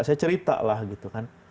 saya cerita lah gitu kan